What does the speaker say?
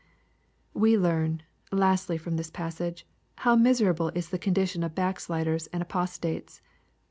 We learn, lastly, from this passage, how miserable is the ctmdition of backsliders and apostates.